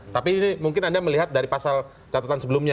tapi ini mungkin anda melihat dari pasal catatan sebelumnya